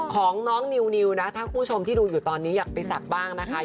ของน้องนิวนะถ้าคุณผู้ชมที่ดูอยู่ตอนนี้อยากไปศักดิ์บ้างนะคะ